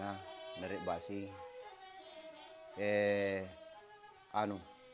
yang dianggap sebagai basing